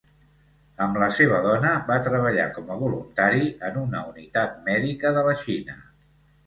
Amb la seva dona, va treballar com a voluntari en una unitat mèdica de la Xina.